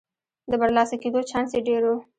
د برلاسه کېدو چانس یې ډېر و.